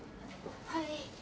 はい。